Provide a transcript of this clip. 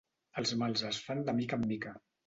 Els mals es fan de mica en mica.